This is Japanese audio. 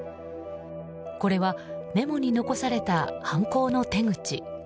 これはメモに残された犯行の手口。